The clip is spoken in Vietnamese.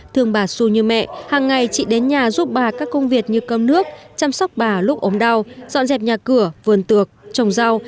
thương bà su như mẹ hàng ngày chị đến nhà giúp bà các công việc như cơm nước chăm sóc bà lúc ốm đau dọn dẹp nhà cửa vườn tược trồng rau